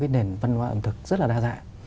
nền văn hóa ẩm thực rất là đa dạng